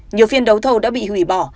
nhiều phiên đấu thầu đã bị hủy bỏ